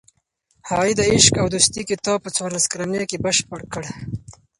هغې د "عشق او دوستي" کتاب په څوارلس کلنۍ کې بشپړ کړ.